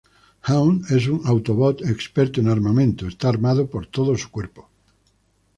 Hound es un Autobot experto en armamento, está armado por todo su cuerpo.